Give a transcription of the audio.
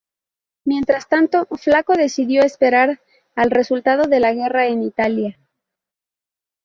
Mientras tanto, Flaco decidió esperar al resultado de la guerra en Italia.